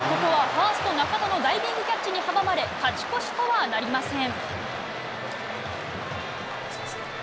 ここはファースト、中田のダイビングキャッチに阻まれ、勝ち越しとはなりません。